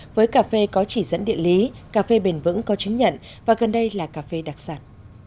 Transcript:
với cà phê có chỉ dẫn địa lý cà phê bền vững có chứng nhận và gần đây là cà phê đặc sản